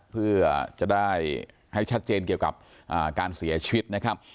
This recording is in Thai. เพื่อจะได้ให้ชัดเจนเกี่ยวกับการเสียชีวิตนะครับ